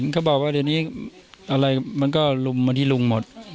เขาบอกว่าในนี้อะไรมันก็ลุ้มมาที่หลงหมด